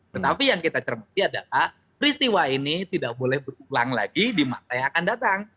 tetapi yang kita cermati adalah peristiwa ini tidak boleh berulang lagi di masa yang akan datang